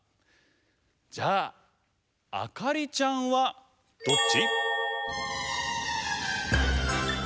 じゃああかりちゃんはどっち？